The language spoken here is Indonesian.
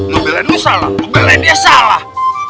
lo bilang lu salah lo bilang dia salah